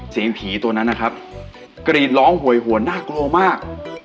เสียงผีตัวนั้นนะครับกรีดร้องโหยหวนน่ากลัวมาก